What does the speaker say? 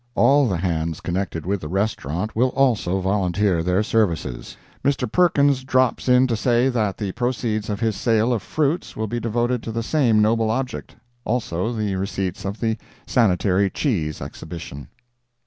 All the hands connected with the restaurant will also volunteer their services. Mr. Perkins drops in to say that the proceeds of his sale of fruits will be devoted to the same noble object; also the receipts of the Sanitary Cheese Exhibition.